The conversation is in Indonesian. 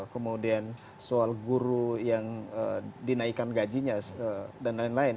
kemudian soal guru yang dinaikkan gajinya dan lain lain